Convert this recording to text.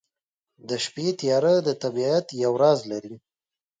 د شپې تیاره د طبیعت یو راز لري.